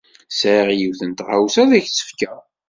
Sɛiɣ yiwet n tɣawsa ad ak-tt-fkeɣ.